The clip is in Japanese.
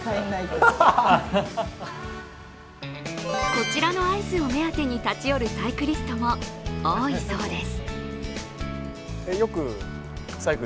こちらのアイスを目当てに立ち寄るサイクリストも多いそうです。